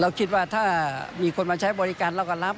คิดว่าถ้ามีคนมาใช้บริการเราก็รับ